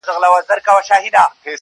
o كلي كي ملا سومه ،چي ستا سومه.